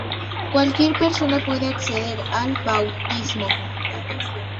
Cualquier persona puede acceder al bautismo.